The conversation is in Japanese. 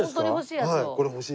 はい。